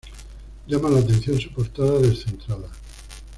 Llama la atención su portada descentrada.